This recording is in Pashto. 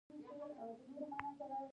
د الوتلو سیپارې راوړي